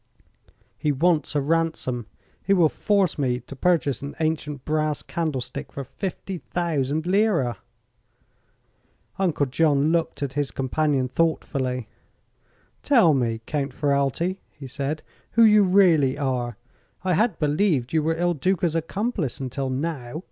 "He wants a ransom. He will force me to purchase an ancient brass candlestick for fifty thousand lira." Uncle John looked at his companion thoughtfully. "Tell me, Count Ferralti," he said, "who you really are. I had believed you were Il Duca's accomplice, until now.